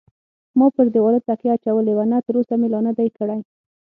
ما پر دېواله تکیه اچولې وه، نه تراوسه مې لا نه دی کړی.